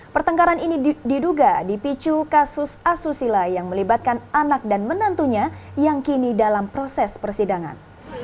pertengkaran ini diduga dipicu kasus asusila yang melibatkan anak dan menantunya yang kini dalam proses persidangan